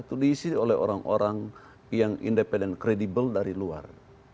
itu diisi oleh orang orang yang independent kredibel dari luar